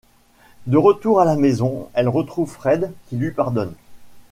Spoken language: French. De retour à la maison, elle retrouve Fred qui lui pardonne.